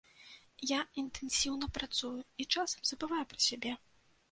Я інтэнсіўна працую і часам забываю пра сябе.